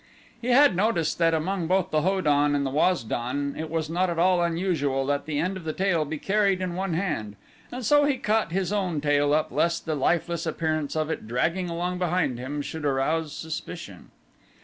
He had noticed that among both the Ho don and the Waz don it was not at all unusual that the end of the tail be carried in one hand, and so he caught his own tail up thus lest the lifeless appearance of it dragging along behind him should arouse suspicion.